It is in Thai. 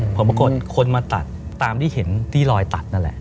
ปรากฏคนมาตัดตามที่เห็นที่ลอยตัดนั่นแหละ